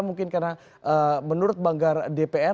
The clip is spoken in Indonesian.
mungkin karena menurut banggar dpr